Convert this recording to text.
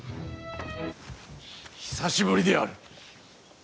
久しぶりである。